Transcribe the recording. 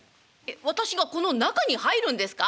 私がこの中に入るんですか！？」。